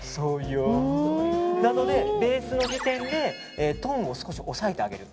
なので、ベースの時点でトーンを少し抑えてあげる。